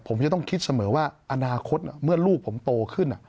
ผมจะต้องคิดเสมอว่าอนาคตเมื่อลูกผมโตขึ้น